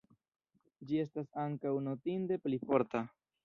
Ĝi estas ankaŭ notinde pli forta.